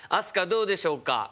どうでしょうか？